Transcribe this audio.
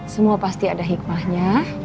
semua pasti ada hikmahnya